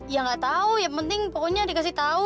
ya nggak tau ya penting pokoknya dikasih tau